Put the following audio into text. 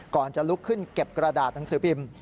ก่อนจะลุกขึ้นเก็บกระดาษหนังสือพิมพ์